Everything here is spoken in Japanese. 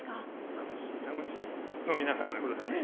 楽しい、楽しい飲み仲間でございます。